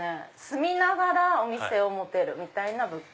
住みながらお店を持てるみたいな物件。